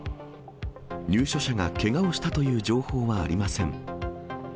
入所者がけがをしたという情報はありません。